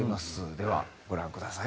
ではご覧ください。